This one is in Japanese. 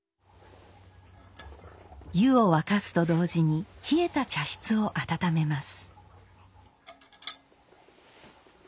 湯を沸かすと同時に冷えた茶室を温めます。